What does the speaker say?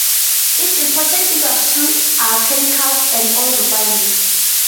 Its important industries are chemicals and oil refining.